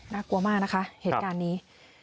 กลัวมากนะคะเหตุการณ์นี้